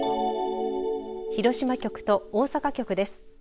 広島局と大阪局です。